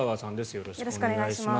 よろしくお願いします。